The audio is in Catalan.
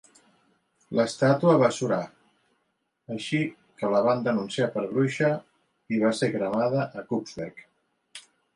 L'estàtua va surar, així que la van denunciar per bruixa i va ser cremada a Kubsberg.